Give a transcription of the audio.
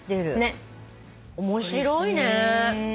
面白いね。